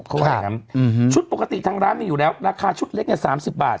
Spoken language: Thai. เขาแข็มชุดปกติทางร้านมันอยู่แล้วราคาชุดเล็กเนี่ย๓๐บาท